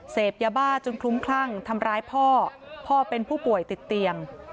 เสพยาบ้าจนคลุ้มคลั่งทำร้ายพ่อพ่อเป็นผู้ป่วยติดเตียง